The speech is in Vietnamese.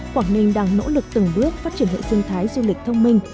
quảng ninh đang nỗ lực từng bước phát triển hệ sinh thái du lịch thông minh